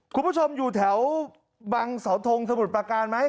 คุณผู้ชมอยู่แถวบังเสาทงสมุทรประการไหม